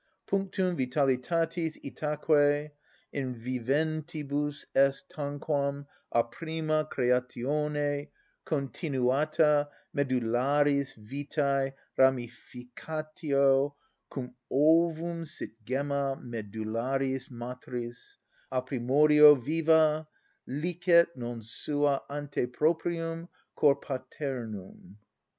Punctum vitalitatis itaque in viventibus est tanquam a prima creatione continuata medullaris vitæ ramificatio, cum ovum sit gemma medullaris matris a primordio viva, licet non sua ante proprium cor paternum.